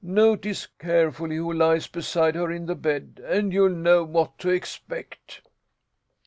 Notice carefully who lies beside her in the bed, and you'll know what to expect."